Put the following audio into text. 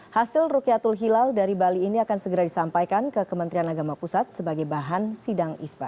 hasil rukyatul hilal dari bali ini akan segera disampaikan ke kementerian agama pusat sebagai bahan sidang isbat